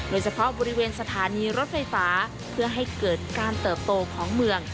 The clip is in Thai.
ในสถานีรถไฟฟ้าเพื่อให้เกิดการเติบโตของเมือง